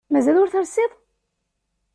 Mazal ur telsiḍ?